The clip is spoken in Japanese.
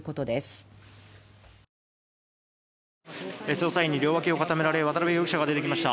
捜査員に両脇を固められ渡邉容疑者が出てきました。